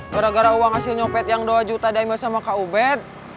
gara gara uang hasil nyopet yang dua juta dimak sama kak ubed